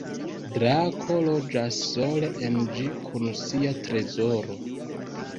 Drako loĝas sole en ĝi kun sia trezoro.